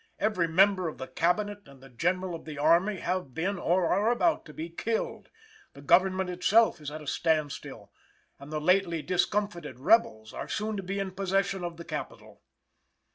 Every member of the Cabinet and the General of the Army have been, or are about to be, killed; the government itself is at a standstill; and the lately discomfited rebels are soon to be in possession of the Capital.